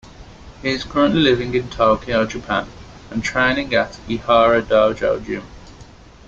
He is currently living in Tokyo, Japan and training at Ihara Dojo Gym.